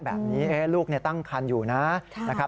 แบบนี้ลูกตั้งครรภ์อยู่นะ